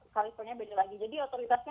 kalifornya beda lagi jadi otoritasnya